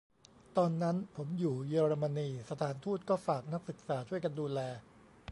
: ตอนนั้นผมอยู่เยอรมนี สถานทูตก็ฝากนักศึกษาช่วยกันดูแล